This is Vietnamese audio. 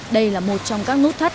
đây là một trong các nút thắt